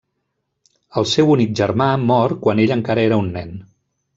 El seu únic germà mor quan ell encara era un nen.